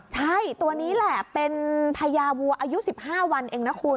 ใช่ตัวนี้แหละเป็นพญาวัวอายุ๑๕วันเองนะคุณ